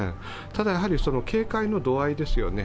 ただ警戒の度合いですよね。